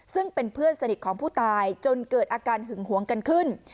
ซึ่งเป็นเพื่อนสนิทของผู้ตายจนเกิดอาการหึงหวงกันขึ้น